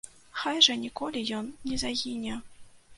Хай жа ніколі ён не загіне!